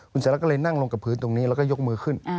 คุณสายรักก็เลยนั่งลงกับพื้นตรงนี้แล้วก็ยกมือขึ้น